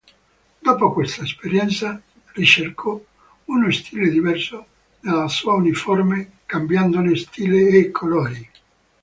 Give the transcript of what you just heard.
Dopo questa esperienza ricercò uno stile diverso nella sua uniforme, cambiandone stile e colori.